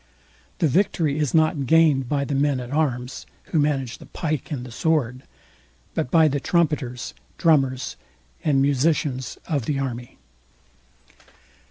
The victory is not gained by the men at arms, who manage the pike and the sword; but by the trumpeters, drummers, and musicians of the army.